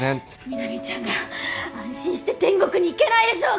南ちゃんが安心して天国に行けないでしょうが！